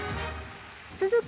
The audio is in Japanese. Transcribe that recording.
続く